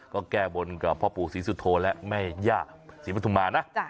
ก็แก้บนกับพ่อปู่ศรีสุโธและแม่ย่าศรีปฐุมานะ